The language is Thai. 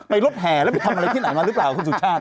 ไปรถแห่แล้วเป็นไปทำอะไรนายรึเปล่าคุณสุชาต